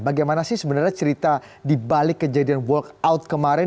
bagaimana sih sebenarnya cerita dibalik kejadian walkout kemarin